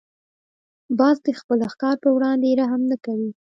باز د خپل ښکار پر وړاندې رحم نه کوي